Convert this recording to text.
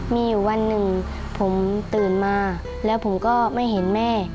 มีอยู่วันหนึ่งผมตื่นมาแล้วผมก็ไม่เห็นแม่